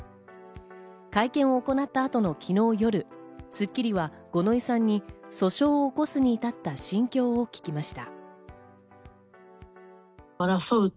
会見を行った後の昨日夜『スッキリ』は五ノ井さんに訴訟を起こすに至った心境を聞きました。